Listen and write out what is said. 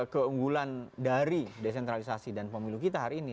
keunggulan dari desentralisasi dan pemilu kita hari ini